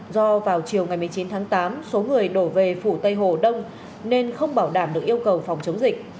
do vào chiều ngày một mươi chín tháng tám số người đổ về phủ tây hồ đông nên không bảo đảm được yêu cầu phòng chống dịch